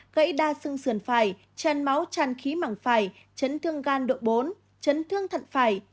gãy đa xương xườn phải chen máu tràn khí mảng phải chấn thương gan độ bốn chấn thương thận phải